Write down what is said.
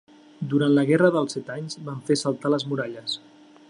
Durant la Guerra dels Set Anys van fer saltar les muralles.